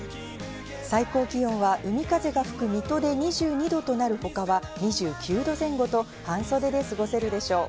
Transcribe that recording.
最高気温は海風が吹く水戸で２２度となるほかは２９度前後と半袖で過ごせるでしょう。